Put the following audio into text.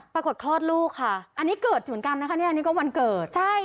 คลอดลูกค่ะอันนี้เกิดเหมือนกันนะคะเนี่ยอันนี้ก็วันเกิดใช่